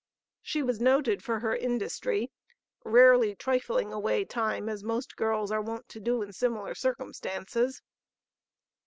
She was noted for her industry, rarely trifling away time as most girls are wont to do in similar circumstances.